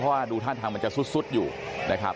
เพราะว่าดูท่าทางมันจะซุดอยู่นะครับ